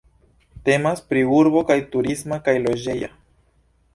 Temas pri urbo kaj turisma kaj loĝeja.